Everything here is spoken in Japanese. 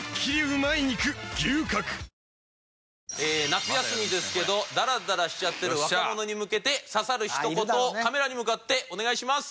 夏休みですけどダラダラしちゃってる若者に向けて刺さる一言をカメラに向かってお願いします。